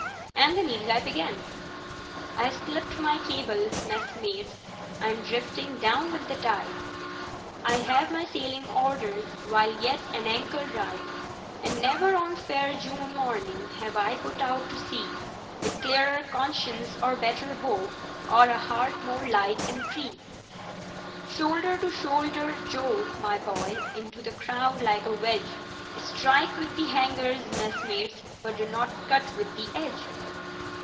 And the Nilghai began— "I have slipped my cable, messmates, I'm drifting down with the tide, I have my sailing orders, while yet an anchor ride. And never on fair June morning have I put out to sea With clearer conscience or better hope, or a heart more light and free. "Shoulder to shoulder, Joe, my boy, into the crowd like a wedge Strike with the hangers, messmates, but do not cut with the edge.